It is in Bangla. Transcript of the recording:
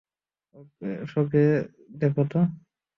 শুকে দেখো তো।